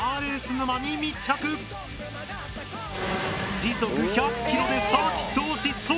時速１００ｋｍでサーキットを疾走！